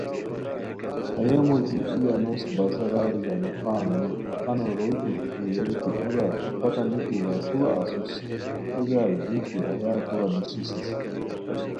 ہیہ موژی ای انوس بازارہ ژانو خان ملکی خانو روئیتو دیتی ریر کی اے برار تہ پتہ نِکی وا کورا اسوس؟ ایے برار گیے کی ہیہ کورا نیشیسی